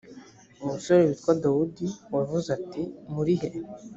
umusore witwa dawudi wavuze ati muri he